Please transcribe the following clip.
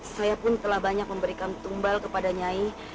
saya pun telah banyak memberikan tumbal kepada nyai